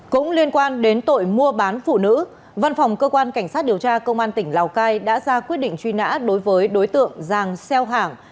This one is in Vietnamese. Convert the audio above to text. cũng liên quan đến tội mua bán phụ nữ văn phòng cơ quan cảnh sát điều tra công an tỉnh lào cai đã ra quyết định truy nã đối với đối tượng giàng xeo hảng